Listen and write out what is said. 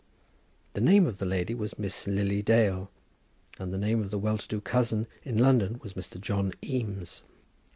The name of the lady was Miss Lily Dale, and the name of the well to do cousin in London was Mr. John Eames.